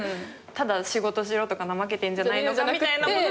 ただ仕事しろとか怠けてんじゃないのかみたいなものではなかったです。